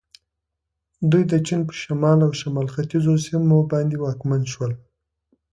دوی د چین په شمال او شمال ختیځو سیمو باندې واکمن شول.